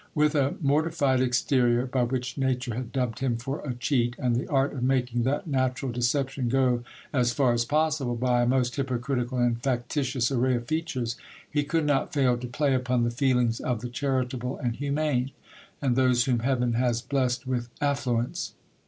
With a mor tified exterior, by which nature had dubbed him for a cheat, and the art of making that natural deception go as far as possible, by a most hypocritical and factitious array of features, he could not fail to play upon the feelings of the charitable and humane, and those whom heaven has blessed with affluence.